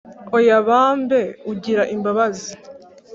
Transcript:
Oya bambe ugira imbabazi